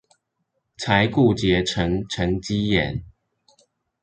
才固結成沈積岩